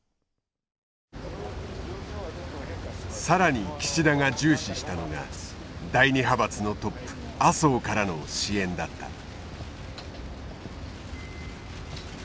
更に岸田が重視したのが第二派閥のトップ麻生からの支援だった。